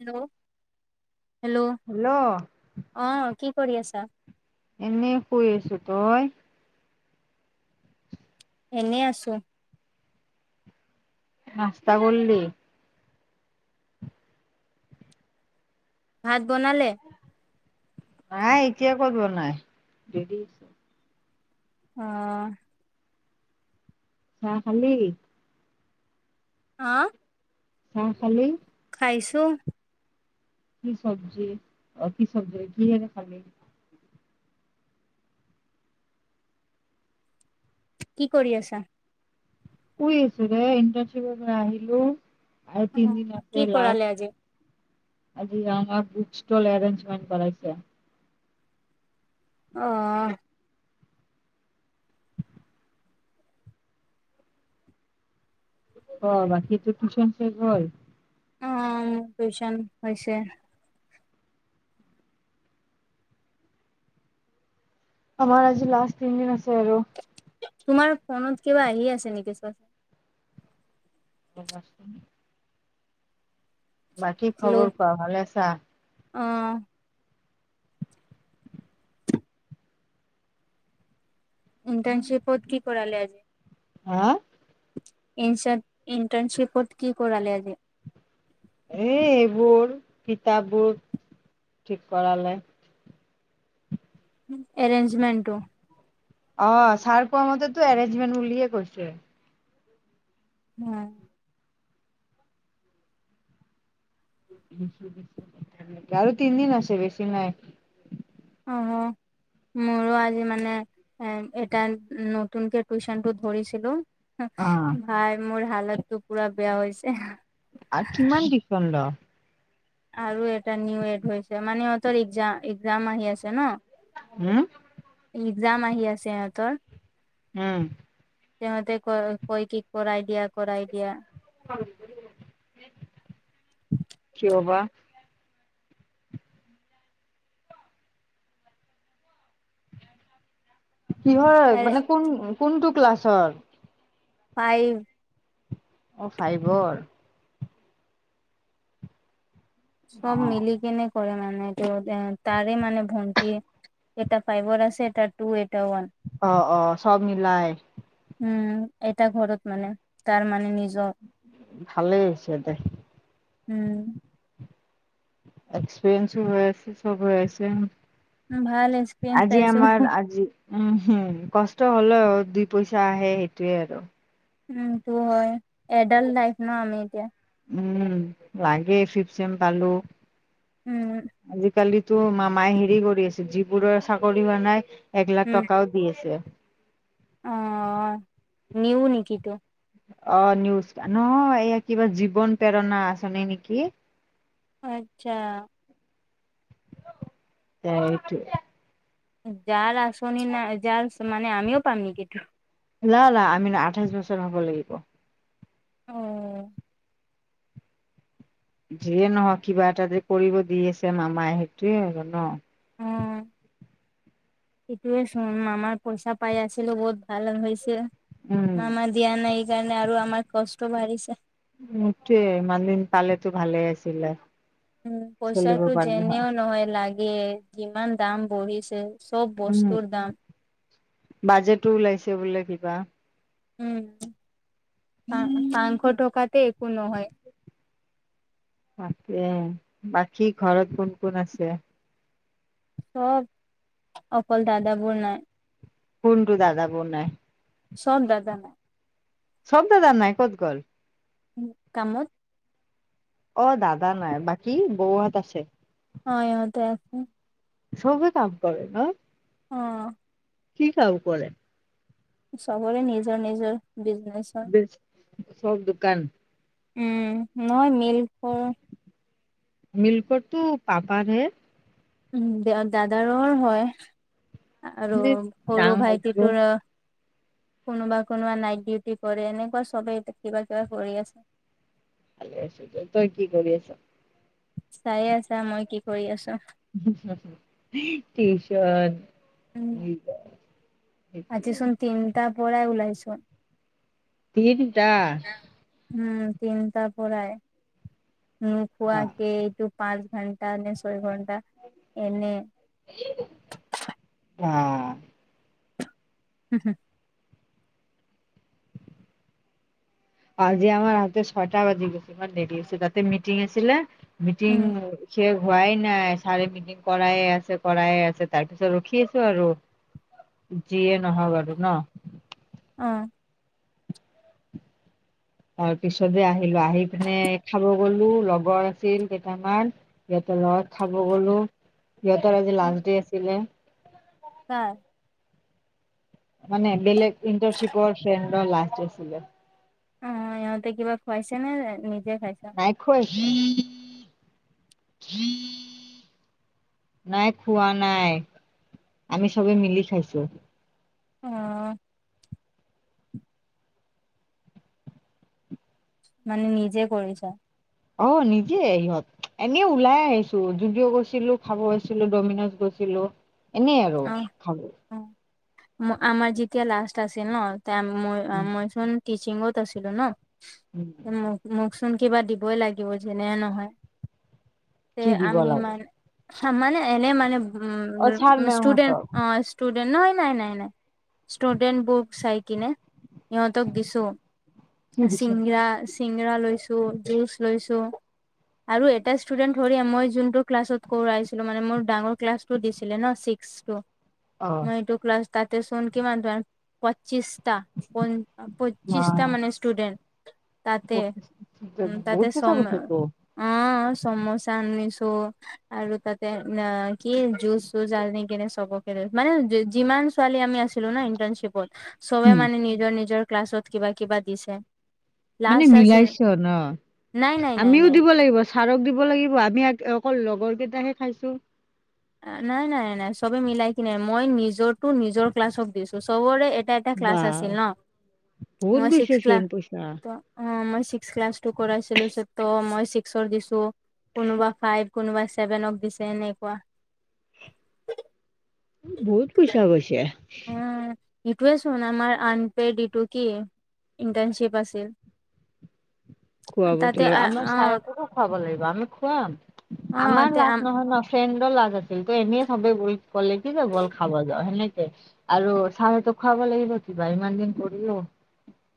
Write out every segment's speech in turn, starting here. Hello hello. Hello. অ', কি কৰি আছা? এনেই শুই আছোঁ তই? এনেই আছোঁ। নস্তা কৰলি। ভাত বনালে? নাই এতিয়া ক'ত বনাই। অ'। চা খালি হা চাহ খালি খাইছো। কি চবজি অ কি চবজি হৈ কিহেৰে খালি কি কৰি আছা? শুই আছো দে ইণ্টাৰ্ণশ্বিপৰ পৰা আহিলো আৰু অ তিন দিন কি আছে কৰালে লাষ্ট। আজি? আজি আমাৰ বুক ষ্টল এৰেঞ্জমেণ্ট কৰাইছে। অ অ বাকী তো টিউচন শেষ হ'ল অ টিউচন হৈছে। আমাৰ আজি লাষ্ট তিনদিন আছে আৰু। তোমাৰ ফোনত কিবা আহি আছে নেকি চোৱাচোন [unintelligible] বাকী হেল্ল' খবৰ কোৱা ভালে আছা? অ ইণ্টাৰ্ণশ্বিপত কি কৰালে আজি? হা ইনচাত ইন্টাৰ্ণশ্বিপত কি কৰালে আজি এই এইবোৰ কিতাপবোৰ ঠিক কৰালে। এৰেঞ্জমেণ্টটো অ ছাৰ কোৱা মতেতো এৰেঞ্জমেণ্ট বুলিয়ে কৈছে। উম আৰু তিনদিন আছে বেছি নাই। অ অ মোৰো আজি মানে এ এটা নতুনকে টিউচন টোত ধৰিছিলো ভাই মোৰ হালততো পুৰা বেয়া হৈছে। আৰু কিমান বিপন্দ আৰু এটা নিউ এড হৈছে মানে ইহঁতৰ একজা একজাম আহি আছে ন ওৱো একজাম আহি আছে ইহঁতৰ উম তেওঁহতে ক কয় কি কৰাই দিয়া কৰাই দিয়া কিয় বা কিহৰ আৰে মানে কোন কোনটো ক্লাছৰ? ফাইভ অ ফাইভৰ চব অ মিলি কেনে কৰে মানে তেওঁ তেওঁ তাৰে মানে ভণ্টিয়ে এটা ফাইভৰ আছে, এটা টু, এটা ওৱান অ অ চব মিলাই উম এটা ঘৰত মানে তাৰ মানে নিজৰ ভালেই হৈছে দে। উম এক্সপিৰিয়েন্সো হৈ আছে সব হৈ ভাল আছে এক্সপিৰিয়েঞ্চ আজি পাইছো। আমাৰ আজি উম হুম কষ্ট হলেও দুই পইচা আহে সেইটোয়ে আৰু। উম এইটো হয় এডাল্ট লাইফ ন আমি এতিয়া। উম লাগে ফিব চেম পালো। উম, আজিকালিতো মামাই হেৰি কৰি আছে, যিবোৰৰ চাকৰি হোৱা নাই এক লাখ টকাও দি আছে। অঁ নিও নেকি তো অঁ নিউজ, নহয় এইয়া কিবা জীৱন প্ৰেৰণা আঁচনি নেকি। অ আচ্ছা। সেইটো যাৰ আঁচনি নাই যাৰ মানে আমিও পাম নেকি? না না আমি আঠাইছ বছৰ হ'ব লাগিব। অ। যিয়ে নহয় কিবা এটা যে কৰিব দি আছে, মামাই সেইটোৱে আৰু ন। উম। সেইটোৱে চোন আমাৰ পইচা পাই আছিলো বহুত ভাল হৈছে। উম মামাৰ দিয়া নাই এই কাৰণে আৰু আমাৰ কষ্ট বাঢ়িছে। এই, ইমান দিন পালেতো ভালে আছিলে। উম চলিব পইচাটো পাৰিলে হয় যেনেও নহয় লাগে যিমান দাম বঢ়িছে। চব বস্তুৰ দাম। বাজেটটো ওলাইছে বোলে কিবা। উম, পানশ টকাতে একো নহয়। তাকে, বাকী ঘৰত কোন কোন আছে? চব অকল দাদা বৌ নাই। কোনটো দাদা বৌ নাই। চব দাদা নাই। চব দাদা নাই, ক'ত গ'ল? কামত অ দাদা নাই বাকী বৌহত আছে। অঁ, ইঁহতে আছে। চবে কাম কৰে ন। অঁ কি কাম কৰে? চবৰে নিজৰ নিজৰ বিজনেচ। বি চব দোকান। উম, মই মিলকৰ মিলকৰটো পাপাৰ হে। উম, দে দাদাৰ হয়। আৰু মানে সৰু ডাঙৰ জ ভাইটিটোৰ কোনোবা কোনোবা নাইট ডিউটি কৰে, এনেকুৱা চবেই কিবা কিবা কৰি আছে। ভালেই আছে দিয়া, তই কি কৰি আছ? চাই আছা মই কি কৰি আছো। টিউচন। উম, আজিচোন তিনিটা পৰা ওলাইছোঁ। ই দুটা। উম তিনিটা পৰাই, উম খোৱা বা কে এইটো পাঁচ ঘণ্টা নে ছয় ঘণ্টা এনে অহ হু‌ হুম আজি আমাৰ ৰাতি ছয়টা বাজি গল ইমান দেৰি হৈছে তাতে মিটিং আছিলে মিটিং উম শেষ হোৱাই নাই ছাৰে মিটিং কৰাই আছে কৰাই আছে তাৰপিছত ৰখি আছো আৰু যিয়ে নহওঁক আৰু ন অহ তাৰ পিছতে আহিলো আহি পিনে খাব গলো লগৰ আছিল কেইটামান সিহঁতৰ লগত খাব গলোঁ সিহঁতৰ আজি লাষ্ট ডে আছিলে কাৰ মানে বেলেগ ইণ্টাৰ্নশ্বিপৰ ফ্ৰেণ্ডৰ লাষ্টডে আছিলে অহ ইহঁতে কিবা খুৱাইছে নে নিজে খাইছা নাই খুৱাই নাই খোৱা নাই আমি চবে মিলি খাইছোঁ অহ মানে নিজে কৰিছা অহ নিজে ইহঁত এনেও ওলাই আহিছোঁ যদিও গৈছিলোঁ খাব গৈছিলোঁ ডমিনজ গৈছিলোঁ এনেই আৰু খালো অ আমাৰ যেতিয়া লাষ্ট আছে ন তেতিয়া মই উম মইচোন টিচিংত আছিলো ন উম মোকচোন কিবা দিবই লাগিব যেনে নহয় তে কি দিব আমি লাগে মান চামানে এনে মানে অ ছাৰ ষ্টুডেণ্ট মেমহঁতক অহ ষ্টুডেণ্ট ন হয় নাই নাই নাই ষ্টুডেণ্ট বুক চাই কিনে সিহঁতক দিছো কি দিছে চিঙৰা চিঙৰা লৈছোঁ জুচ লৈছোঁ আৰু এটা ষ্টুডেন্ট ধৰি মই যোনটো ক্লাছত কৰাইছিলোঁ মানে মোৰ ডাঙৰ ক্লাছ টো দিছিলে ন চিট ক্লাছতো অ মই এইটো ক্লাছ তাতে চোনকিমান পঁছিটা‌ প অ পঁচিশটা মানে ষ্টুডেট তাতে বহুত তাতে পইচা চম গৈছেতো। অহ চৌমচা আনিছোঁ আৰু তাতে না কি জুজ চুজ আৰু নে কিনে চবকে মানে যিমান ছোৱালী আমি আছিলো না ইণ্টাৰ্ণশ্বিপত চবে উম, মানে নিজৰ নিজৰ ক্লাছত কিবা কিবা দিছে। মানে লাষ্ট আছিল মিলাইছ ন নাই নাই নাই আমিও নাই দিব লাগিব ছাৰক দিব লাগিব আমি অকল লগৰ কেইটাহে খাইছোঁ নাই নাই নাই চবে মিলাই কি নে মই নিজৰতো নিজৰ ক্লাছক দিছো চবৰে এটা এটা ক্লাছ বা আছিল ন বহুত মই ছিক্স গৈছে চোন ক্লাছ পইচা অহ মই ছিক্স ক্লাছ টু কৰাইছিলোঁ ত মই ছিক্সৰ দিছো কোনোবা ফাইভ কোনোবাই চেভেনক দিছে এনেকুৱা বহুত পইচা গৈছে অহ ইটোৱে চোন আমাৰ আনপেড ইটো কি ইণ্টাৰ্নশ্বিপ আছিল খোৱাবতো তাতে লাগে আমাৰ অ ছাৰকো খুৱাব লাগিব আমি খোৱাম অ আমাৰ লাভ তে নহয় ন ফ্ৰেণ্ডৰ লাজ আছিল তই এনে চবে বল ক'লে কি যে বল খাব যাওঁ সেনেকে আৰু চাহতো খুৱাব লাগিব কিবা ইমান দিন কৰিলোঁ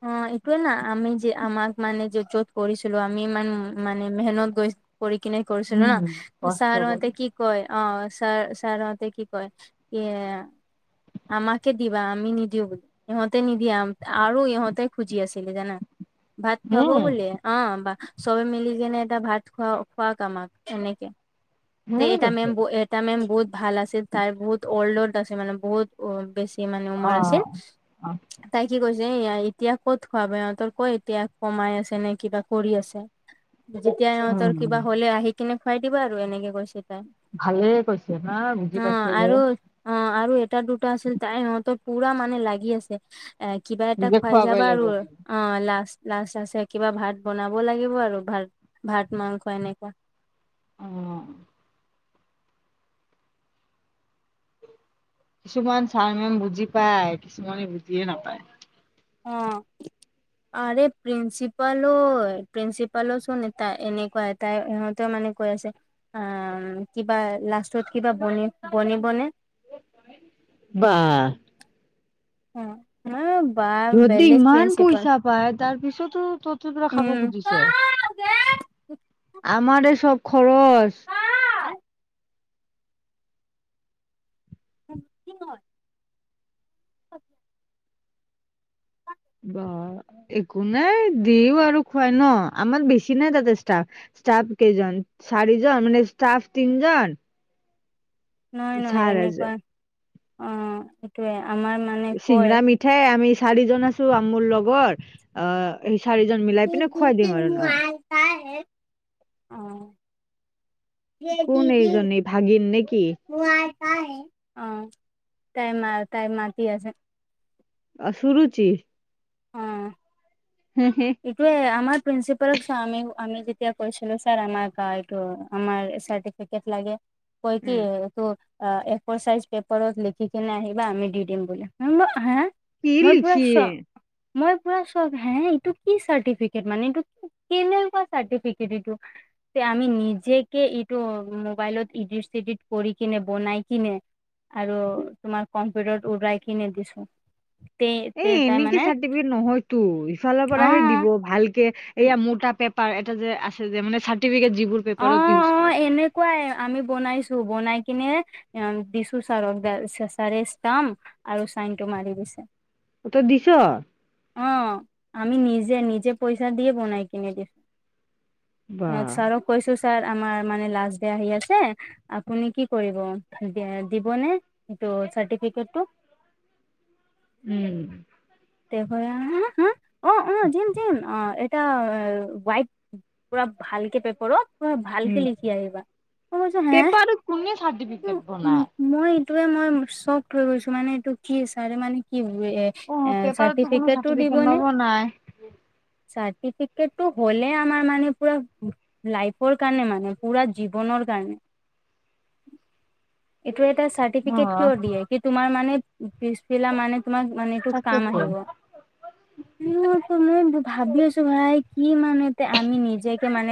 অহ এইটোয়ে না আমি যে আমাক মানে যত য'ত কৰিছিলোঁ আমি ইমান মানে মেহনত গৈ কৰি কিনে কৰিছিলোঁ ন উম, কষ্ট ছাৰহঁতে কৰি কি কয় অহ ছাৰ ছাৰহঁতে কি কয় কি আমাকে দিবা আমি নিদিওঁ বুলি সিহঁতে নিদিয়ে আৰু ইহঁতে তাই খুজি আছিলি জানা ভাত খুৱাব উম, বলে অ বা চবে মিলি কেনে এটা ভাত খোৱা খুৱক আমাক এনেকে তে সেনেকে এটা মেম কৈছে এটা মেম বহুত ভাল আছিল তাই বহুত অল্ড অল্ড আছে মানে বহুত বেছি স মানে উমৰ আছিল অ'। অ', তাই কি কৈছে এ এতিয়া ক'ত খোৱাব ইহঁতৰ ক এতিয়া কমাই আছে নে কিবা কৰি আছে যেতিয়া হিহঁতৰ উম। কিবা হলে আহি কিনে খুৱাই দিবা আৰু এনেকে কৈছে তাই ভালে কৈছে না বুজি অ পাইছে যে আৰু অ আৰু এটা দুটা আছিল তাই হিহঁতৰ পুৰা মানে লাগি আছে এ কিবা এটা নিজে খুৱাই খুৱাবই যাবা লাগিব আৰু বুলি। অ লাষ্ট লাষ্ট আছে কিবা ভাত বনাব লাগিব আৰু ভাত ভাত মাংস এনেকুৱা অ কিছুমান চাৰ মেম বুজি পায় কিছুমানে বুজিয়ে নাপায় অ আৰে প্ৰিন্সিপালো প্ৰিন্সিপালো শোন এতা এনেকুৱা তাই সিহঁতেও মানে কৈ আছে অ কিবা লাষ্টত কিবা বনে বনিবনে বাহ অ উ শিহঁতি ইমান পইচা পাই তাৰ পিছতো তহঁতৰ পৰা খাব উম খুজিছে আমাৰে চব খৰচ কি হল আ ব একো নাই দিও আৰু খুৱাই ন আমাৰ বেছি নাই তাতে ষ্টাফ ষ্টাফ কেইজন চাৰিজন মানে ষ্টাফ তিনজন নহয় নহয় ছাৰ এনেকুৱা এজন অ এইটোয়ে আমাৰ মানে কয় চিঙৰা মিঠাই আমি চাৰিজন আছো আৰু মোৰ লগৰ অ সেই চাৰিজন অ মিলাই পিনে খুৱাই দিম আৰু ন অ কোন দিদি এইজনী ভাগিন নেকি অ তাইৰ অ তাই মাতি আছে অ শুৰুচি অ হম হুম এইটোৱে আমাৰ প্ৰিন্ঞ্চিপালক চ আমি আমি যেতিয়া কৈছিলো ছাৰ আমাৰ গ এইটো আমাৰ ফিকেট লাগে কৈ কি উম। ত এফৌৰ সাইজ পেপৰ লিখিকনে আহিব আমি দি দিম বুলি কি মই পুৰা লিখি চখ মই পুৰা চখ হে ইটো কি চাৰটিফিকেট মানে এইটো কেনেকুৱা চাৰ্টিফিকেট এইটো যে আমি নিজেকে ইটো মোবাইলত ইডিট চিডিট কৰি কিনে বনাই কিনে আৰু তোমাৰ কম্পিউটাৰত উৰাই কিনে দিছো তে তে এই তাই এনেকে মানে চাৰ্টিফিকেট নহয়তো ইফালৰ অ পৰাহে দিব ভালকে এয়া অ মোৰ এটা পাৰ এটা যে আছে যে মানে চাৰ্টিফিকেট যিবোৰ অ পেপাৰত ইউজ অ কৰে এনে কুৱাই আমি বনাইছো বনাই কিনে দিছো চাৰকাল চাৰে স্তাম আৰু চাইন টো মাৰি দিছে ত তই দিছ অ আমি নিজে নিজে পইচা দিয় বনাই কিনে দিছো বা অ চাৰ কৈছো ছাৰ আমাৰ মানে লাষ্ট ডে আহি আছে আপুনি কি কৰিব দিবনেে কিন্তু চাৰ্টিফিকেট উম তে ভ হা অ অ জিম জম অ এটা াইট পুৰা ভালকে পেপৰত পুৰা উম ভালকে লিখি আহিবা মই কৈছ হে চাৰটিফিকেট বনা মই এইটোয়ে মই চক হৈৈ গৈছো মানে এইটো কিচাৰে মানে কি এ অ পেপাৰতো কোনো চাৰ্টিফিকেটোটো চাৰ্টিফিকেট দিবনে নবনাই চাৰ্টিফিকেটটো হলে আমাৰ মানে পুৰা লাইফৰ কাৰণে মানে পুৰা জীৱনৰ কাৰণে অ ত ম কাম তাকেতো আহিব উ মই ভাবি আছো ভাই কি মান আমি নিজকে মানে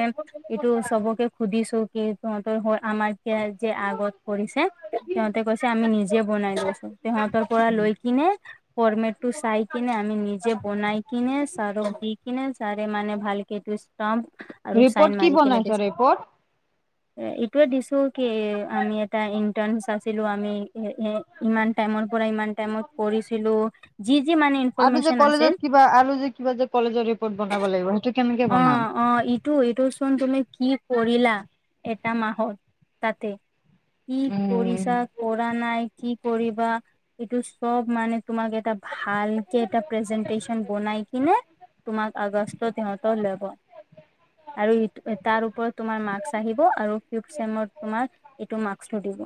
এইটো চবকে সুধিছো কি তহঁতৰ আমাৰতিয়া যে আগত কৰিছে তহঁতে কৈছে আমি নিজে বনাই লৈছো সিহতৰ পৰা লৈ কিনে ফৰ্মে এক চাই কিনে আি নিজে বনাই কিনে চাৰক দি কিনে চ মানে ভালকেটো ষ্টম্প ৰিপৰ্ট কি বনাইছ ৰিপৰ্ট এ এইটোোৱে দিছো কি আমি এটা ইন্টাৰ আছিলো আমি ইমান টাইমৰ পৰা ইমান টাইমত কৰিছিলো যি যি মানে আৰু যে ইনফৰমেশচন আছিল কলেজত কিবা আৰু যে কিবা যে কলেজৰ ৰিপৰ্ট বনাব লাগিব সেইটো কেনেকে অ বনাম অ ইটো ইটো চোন তুমি কি কৰিলা এটা মাহত তাতে কি উম কৰিচা কৰা নাই কি কৰিবা এইটো চব মানে তোমাক এটা ভালকে এটা প্ৰেজেন্টেশচন বনাই কিনে তোমাক আগষ্টত সিহঁতৰ ল'ব আৰু তাৰ ওপৰত তোমাৰ মাৰ্কচ আহিব আৰু ফিফ চেমত তোমাৰ এইটো মাৰ্কচটো দিব